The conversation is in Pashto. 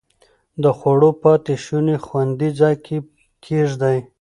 د خوړو پاتې شوني خوندي ځای کې کېږدئ.